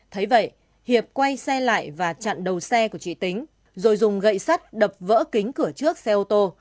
thấy vậy hiệp quay xe lại và chặn đầu xe của chị tính rồi dùng gậy sắt đập vỡ kính cửa trước xe ô tô